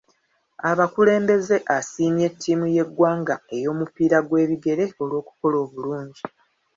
Abakulembeze asiimye ttiimu y'eggwanga ey'omupiira gw'ebigere olw'okukola obulungi.